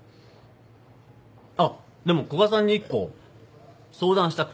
あっでも古賀さんに一個相談したくて。